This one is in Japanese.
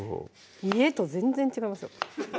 家と全然違いますよ